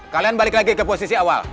kalian balik lagi ke posisi awal